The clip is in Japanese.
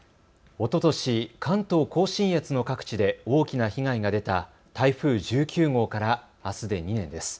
おととし、関東甲信越の各地で大きな被害が出た台風１９号からあすで２年です。